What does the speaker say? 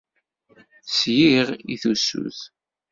Sliɣ i tusut.